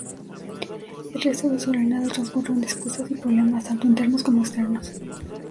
El resto de su reinado transcurrió en disputas y problemas, tanto internos como externos.